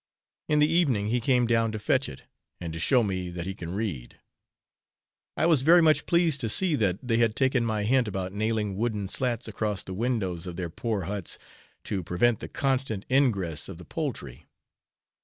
In the evening, he came down to fetch it, and to show me that he can read. I was very much pleased to see that they had taken my hint about nailing wooden slats across the windows of their poor huts, to prevent the constant ingress of the poultry.